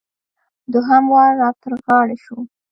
دوهم وار را تر غاړې شو.